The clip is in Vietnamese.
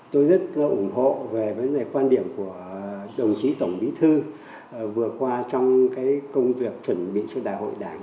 tôi rất ủng hộ về vấn đề quan điểm của đồng chí tổng bí thư vừa qua trong công việc chuẩn bị cho đại hội đảng